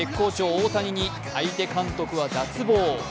大谷に、相手監督は脱帽。